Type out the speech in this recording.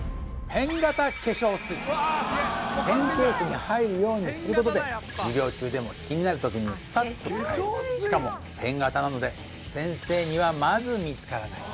ペンケースに入るようにすることで授業中でも気になるときにさっと使えるしかもペン型なので先生にはまず見つからない